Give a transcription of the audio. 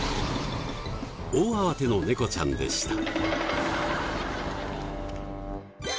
大慌てのネコちゃんでした。